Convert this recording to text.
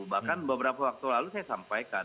bahkan beberapa waktu lalu saya sampaikan